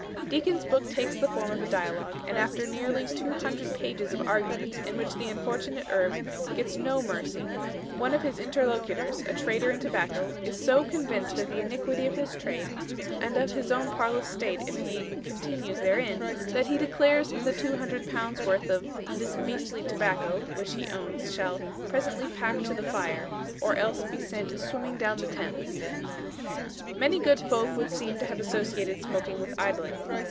Deacon's book takes the form of a dialogue, and after nearly 200 pages of argument, in which the unfortunate herb gets no mercy, one of the interlocutors, a trader in tobacco, is so convinced of the iniquity of his trade, and of his own parlous state if he continue therein, that he declares that the two hundred pounds' worth of this "beastly tobacco" which he owns, shall "presently packe to the fire," or else be sent "swimming down the Thames." Many good folk would seem to have associated smoking with idling.